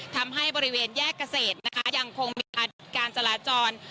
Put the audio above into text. ทำให้บริเวณแยกเกษตรนะคะยังคงมีอาดิตการจราจร